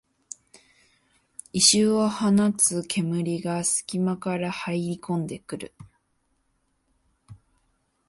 異臭を放つ煙がすき間から入りこんでくる